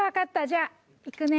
じゃあ行くね。